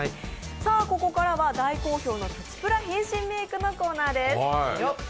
ここからは大好評のプチプラ変身メークのコーナーです。